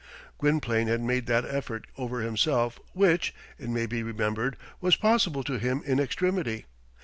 Gwynplaine had made that effort over himself which, it may be remembered, was possible to him in extremity.